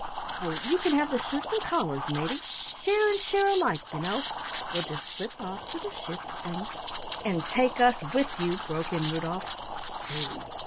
"Oh, you can have the shirts and collars, Matey. Share and share alike, you know. We'll just slip off to the ship, and " "And take us with you," broke in Rudolf. "Do!"